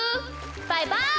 バイバイ！